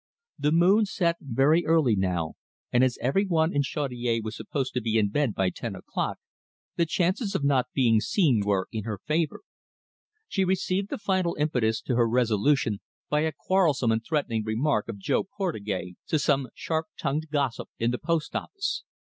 The moon set very early now, and as every one in Chaudiere was supposed to be in bed by ten o'clock, the chances of not being seen were in her favour. She received the final impetus to her resolution by a quarrelsome and threatening remark of Jo Portugais to some sharp tongued gossip in the post office.